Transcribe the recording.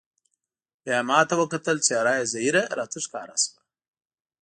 بیا یې ما ته وکتل، څېره یې زهېره راته ښکاره شوه.